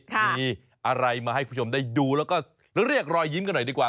มีอะไรมาให้คุณผู้ชมได้ดูแล้วก็เรียกรอยยิ้มกันหน่อยดีกว่า